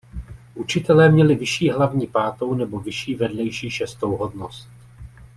Učitelé měli vyšší hlavní pátou nebo vyšší vedlejší šestou hodnost.